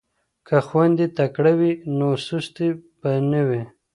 که خویندې تکړه وي نو سستي به نه وي.